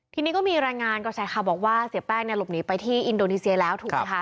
ทีนี้ก็มีรายงานกระแสข่าวบอกว่าเสียแป้งเนี่ยหลบหนีไปที่อินโดนีเซียแล้วถูกไหมคะ